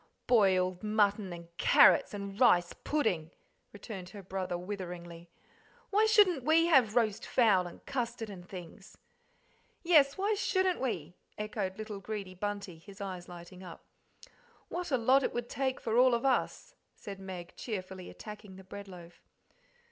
"Boiled mutton and carrots and rice pudding!" returned her brother witheringly. "Why shouldn't we have roast fowl and custard and things?" "Yes, why shouldn't we?" echoed little greedy Bunty; his eyes lighting up. "What a lot it would take for all of us!" said Meg, cheerfully attacking the bread loaf.